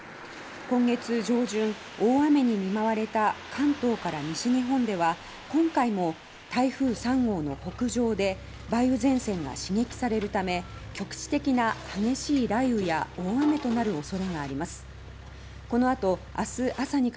今月上旬大雨に見舞われた関東から西日本では今回も台風３号の北上で梅雨前線が刺激されるため局地的な激しい雷雨や大雨となるおそれがあります。